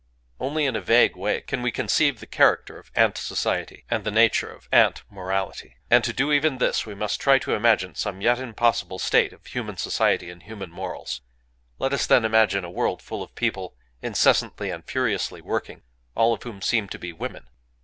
Only in a vague way can we conceive the character of ant society, and the nature of ant morality; and to do even this we must try to imagine some yet impossible state of human society and human morals. Let us, then, imagine a world full of people incessantly and furiously working,—all of whom seem to be women.